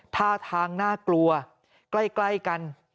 ท่าทางน่ากลัวใกล้กัน